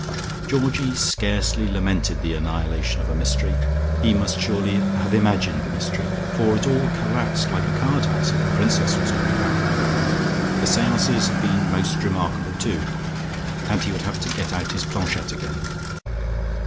Georgie scarcely lamented the annihilation of a mystery. He must surely have imagined the mystery, for it all collapsed like a card house, if the Princess was coming back. The seances had been most remarkable, too; and he would have to get out his planchette again.